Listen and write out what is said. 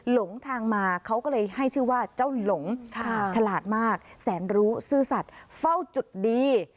หลงทางมาเขาก็เลยให้ชื่อว่าเจ้าหลงฉลาดมากแสนรู้ซื่อสัตว์เฝ้าจุดดี